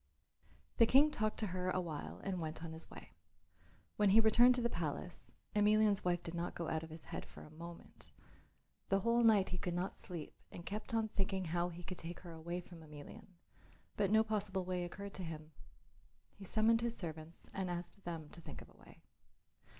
The King talked to her a while and went on his way. When he returned to the palace Emelian's wife did not go out of his head for a moment. The whole night he could not sleep and kept on thinking how he could take her away from Emelian, but no possible way occurred to him. He summoned his servants and asked them to think of a way.